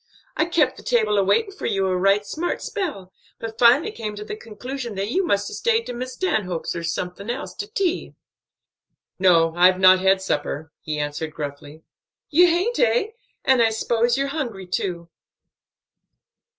I kep' the table a waitin' for you a right smart spell, but finally come to the conclusion that you must 'a' stayed to Miss Stanhope's or someone else, to tea." "No, I've not had supper," he answered gruffly. "You haint, eh? and I 'spose you're hungry, too.